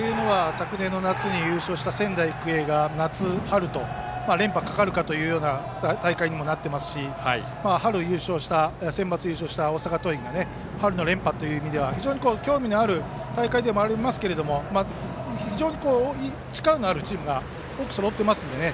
昨年夏に優勝した仙台育英が夏、春と連覇かかるかという大会にもなっていますし春センバツで優勝した大阪桐蔭が春の連覇という意味では非常に興味のある大会でもありますけど非常に力のあるチームが多くそろっていますのでね。